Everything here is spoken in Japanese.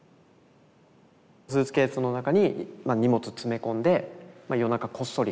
スーツケースの中に荷物詰め込んで夜中こっそり